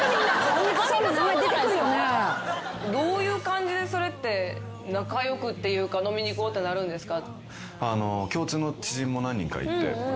アンミカさんもじゃないですか。どういう感じでそれって仲良くっていうか飲みに行こうってなるんですか？